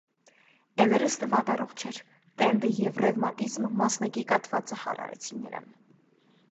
Էվերեստը վատառողջ էր, տենդը և ռևմատիզմը մասնակի կաթվածահար արեցին նրան։